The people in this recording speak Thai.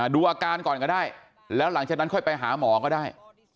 ดูอาการก่อนก็ได้แล้วหลังจากนั้นค่อยไปหาหมอก็ได้